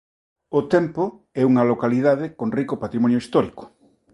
Ao tempo é unha localidade con rico patrimonio histórico.